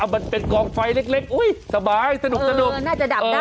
อ้าวมันเป็นกองไฟเล็กเล็กอุ้ยสบายสนุกสนุกเออน่าจะดับได้